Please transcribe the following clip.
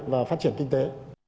và phát triển kinh tế